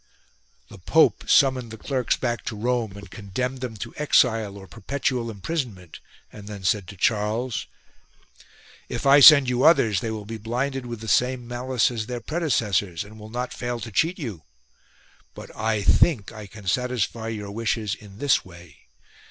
The Pope summoned the clerks back to Rome and con demned them to exile or perpetual imprisonment, and then said to Charles :" If I send you others they will be blinded with the same malice as their predecessors and will not fail to cheat you. But I think I can satisfy your wishes in this way.